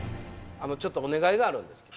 ちょっとお願いがあるんです。